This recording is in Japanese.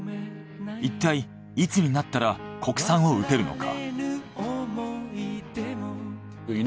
いったいいつになったら国産を打てるのか？